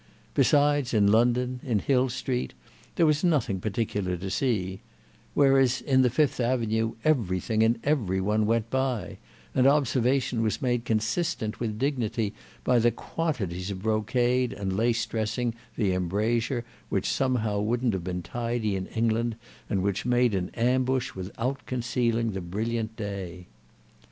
Besides, in London, in Hill Street, there was nothing particular to see; whereas in the Fifth Avenue everything and every one went by, and observation was made consistent with dignity by the quantities of brocade and lace dressing the embrasure, which somehow wouldn't have been tidy in England and which made an ambush without concealing the brilliant day.